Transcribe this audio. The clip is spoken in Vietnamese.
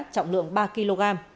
trọng lượng ba kg